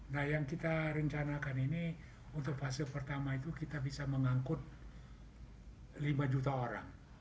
nah yang kita rencanakan ini untuk fase pertama itu kita bisa mengangkut lima juta orang